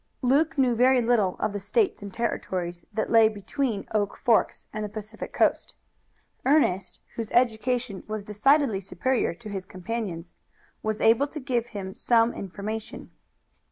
Luke knew very little of the States and Territories that lay between Oak Forks and the Pacific Coast. Ernest, whose education was decidedly superior to his companion's, was able to give him some information.